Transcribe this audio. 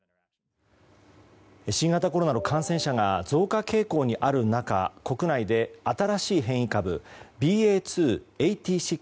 新型コロナの感染者が増加傾向にある中国内で新しい変異株ＢＡ．２．８６